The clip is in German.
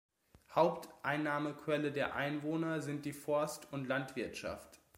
Haupteinnahmequellen der Einwohner sind die Forst- und Landwirtschaft.